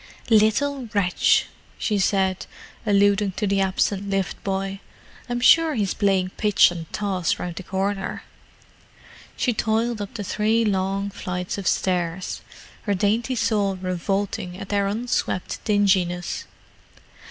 "Little wretch!" she said, alluding to the absent lift boy. "I'm sure he's only playing pitch and toss round the corner." She toiled up the three long flights of stairs—her dainty soul revolting at their unswept dinginess.